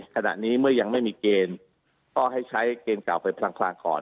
ขณะนี้เมื่อยังไม่มีเกณฑ์ก็ให้ใช้เกณฑ์เก่าไปพลางก่อน